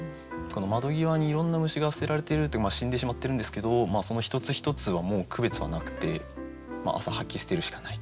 窓際にいろんな虫が捨てられているっていう死んでしまってるんですけどその一つ一つはもう区別はなくて朝掃き捨てるしかない。